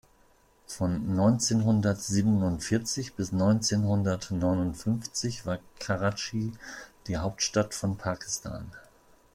Von neunzehnhundertsiebenundvierzig bis neunzehnhundertneunundfünfzig war Karatschi die Hauptstadt von Pakistan.